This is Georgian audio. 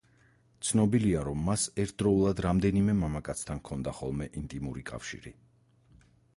ცნობილია, რომ მას ერთდროულად რამდენიმე მამაკაცთან ჰქონდა ხოლმე ინტიმური კავშირი.